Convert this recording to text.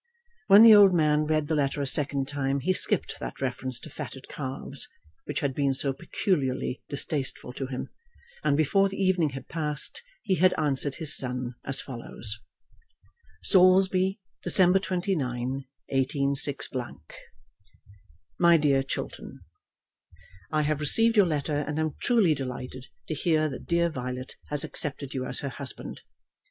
When the old man read the letter a second time, he skipped that reference to fatted calves which had been so peculiarly distasteful to him, and before the evening had passed he had answered his son as follows; Saulsby, December 29, 186 . MY DEAR CHILTERN, I have received your letter, and am truly delighted to hear that dear Violet has accepted you as her husband.